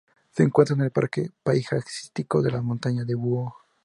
Se encuentra en el Parque Paisajístico de las Montañas del Búho.